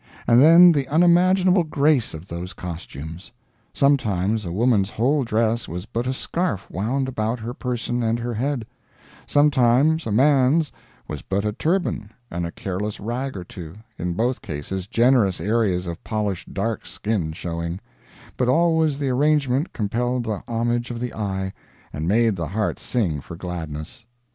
And then, the unimaginable grace of those costumes! Sometimes a woman's whole dress was but a scarf wound about her person and her head, sometimes a man's was but a turban and a careless rag or two in both cases generous areas of polished dark skin showing but always the arrangement compelled the homage of the eye and made the heart sing for gladness.